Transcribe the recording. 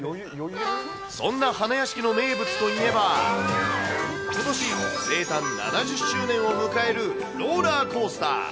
そんな花やしきの名物といえば、ことし生誕７０周年を迎えるローラーコースター。